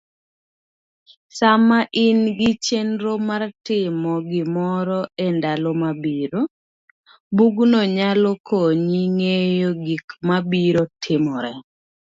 sama inigi chenro martimo gimoro endalo mabiro, bugno nyalo konyi ng'eyo gikmabiro timore .